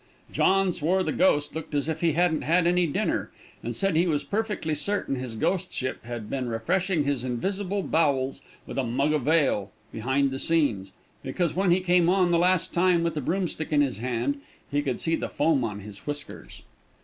John swore the Ghost looked as if he hadn't had any dinner, and said he was perfectly certain his ghostship had been refreshing his invisible bowels with a mug of ale, behind the scenes, because when he came on the last time, with the broomstick in his hand, he could see the foam on his whiskers.